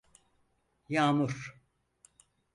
Yağmur…